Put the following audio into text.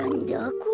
これ。